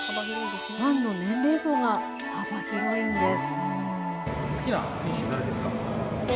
ファンの年齢層が幅広いんです。